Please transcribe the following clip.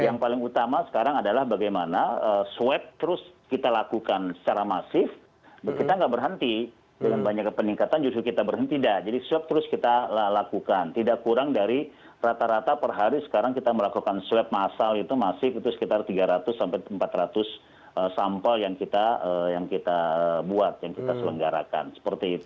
yang paling utama sekarang adalah bagaimana swab terus kita lakukan secara masif kita nggak berhenti dengan banyak peningkatan justru kita berhenti tidak jadi swab terus kita lakukan tidak kurang dari rata rata per hari sekarang kita melakukan swab masal itu masih itu sekitar tiga ratus sampai empat ratus sampel yang kita yang kita buat yang kita selenggarakan seperti itu